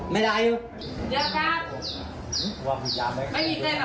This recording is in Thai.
เดี๋ยวคะ